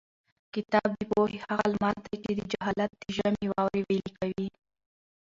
کتاب د پوهې هغه لمر دی چې د جهالت د ژمي واورې ویلي کوي.